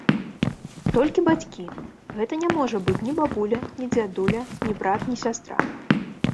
Толькі бацькі, гэта не можа быць ні бабуля, ні дзядуля, ні брат, ні сястра.